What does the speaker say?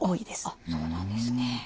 あっそうなんですね。